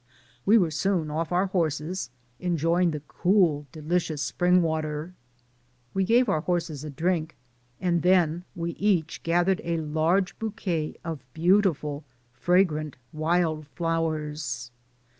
We were soon off our horses, enjoying the cool, delicious spring water. We gave our horses a drink, and then we each gathered a large bouquet of beautiful, fragrant wild flowers.